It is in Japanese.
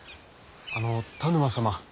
あの田沼様！